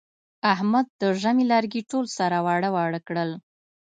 احمد د ژمي لرګي ټول سره واړه واړه کړل.